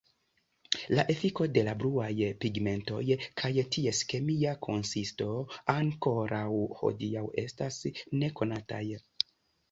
La efiko de la bluaj pigmentoj kaj ties kemia konsisto ankoraŭ hodiaŭ estas nekonataj.